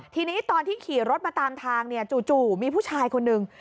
ทีนี้ตอนที่ขี่รถมาตามทางเนี่ยจู่มีผู้ชายคนหนึ่ง